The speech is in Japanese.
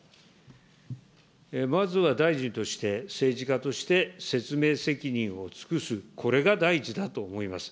まずは大臣として、政治家として説明責任を尽くす、これが第一だと思います。